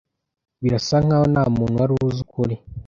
Birasa nkaho ntamuntu wari uzi ukuri.